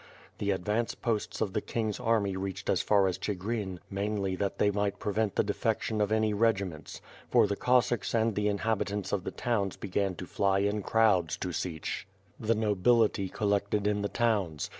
The advance posts of the king's army reached as far as Chigrin, mainly that they might prevent the defection of any regiments; for the Cos sacks and the inhabitants of the towns began to fly in crowds to Sich. The nobility collected in the towns.